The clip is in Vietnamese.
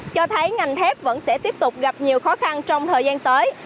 cho thấy ngành thép vẫn sẽ tiếp tục gặp nhiều khó khăn trong thời gian tới